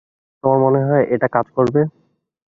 তোমার মনে হয় এটা কাজ করবে?